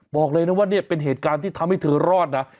บอกเลยนะว่าเนี่ยเป็นเหตุการณ์ที่ทำให้เธอรอดนะ